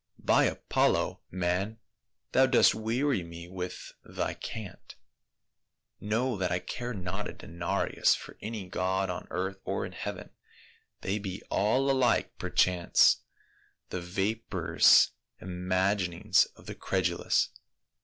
" By Apollo, man, thou dost wear) me with thy cant ! Know that I care not a denarius for any god on earth or in heaven ; they be all alike perchance the vaporous imaginings of the credulous.